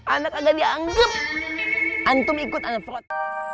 anak agak dianggap antum ikut antorot